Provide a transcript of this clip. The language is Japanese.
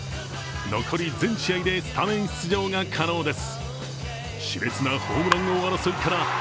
残り全試合でスタメン出場が可能です。